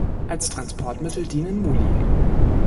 Als Transportmittel dienen Muli.